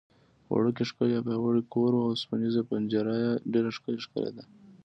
وړوکی، ښکلی او پیاوړی کور و، اوسپنېزه پنجره یې ډېره ښکلې ښکارېده.